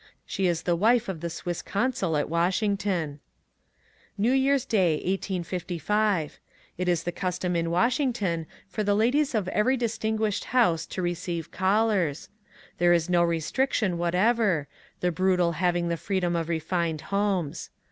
She is the wife of the Swiss consul at Wash ington. New Yearns Day, 1855. — It is the custom in Washington for the ladies of every distinguished house to receive callers. There is no restriction whatever, the brutal having the freedom of refined homes.